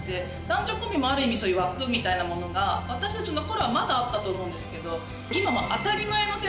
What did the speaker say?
男女コンビもある意味そういう枠みたいなものが私たちの頃はまだあったと思うんですけど。